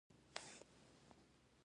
خو اوبه هماغه اوبه دي.